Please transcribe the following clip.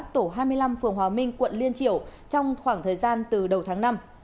tổ hai mươi năm phường hòa minh quận liên triểu trong khoảng thời gian từ đầu tháng năm